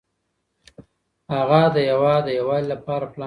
هغه د هېواد د یووالي لپاره پلان جوړ کړ.